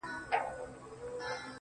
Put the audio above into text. o كله ،كله ديدنونه زما بــدن خــوري.